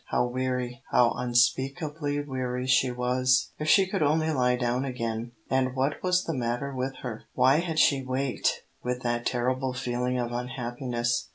How weary, how unspeakably weary she was! If she could only lie down again and what was the matter with her? Why had she waked with that terrible feeling of unhappiness?